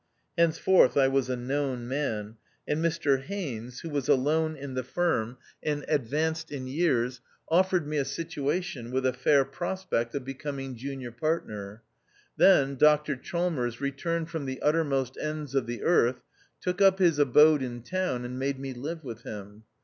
Hence forth I was a known man, and Mr Haines, 2 52 THE OUTCAST. who was alone in the firm, and advanced in years, offered me a situation, with a fair pro spect of becoming junior partner. Then Dr Chalmers returned from the uttermost ends of the earth, took up his abode in town, and made me live with him.